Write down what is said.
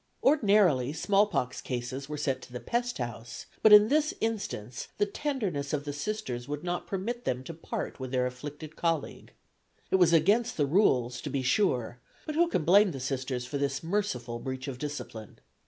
Ordinarily small pox cases were sent to the pest house, but in this instance the tenderness of the Sisters would not permit them to part with their afflicted colleague. It was against the rules, to be sure, but who can blame the Sisters for this merciful breach of discipline?